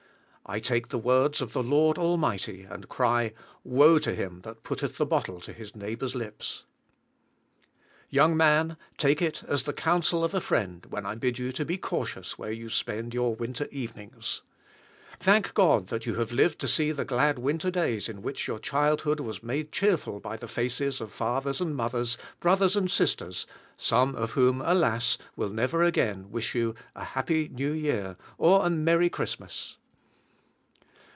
I take the words of the Lord Almighty, and cry, "Woe to him that putteth the bottle to his neighbor's lips!" Young man, take it as the counsel of a friend, when I bid you be cautious where you spend your winter evenings. Thank God that you have lived to see the glad winter days in which your childhood was made cheerful by the faces of fathers and mothers, brothers and sisters, some of whom, alas! will never again wish you a "happy New Year," or a "Merry Christmas."